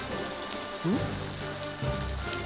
うん？